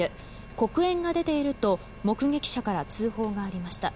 黒煙が出ていると目撃者から通報がありました。